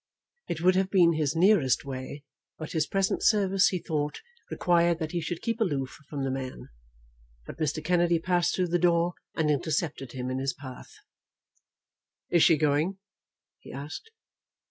It would have been his nearest way, but his present service, he thought, required that he should keep aloof from the man. But Mr. Kennedy passed through the door and intercepted him in his path. "Is she going?" he asked.